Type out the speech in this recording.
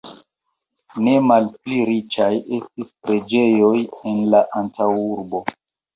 Ne malpli riĉaj estis preĝejoj en la antaŭurbo.